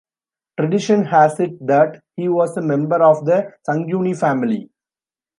Tradition has it that he was a member of the Sanguini family.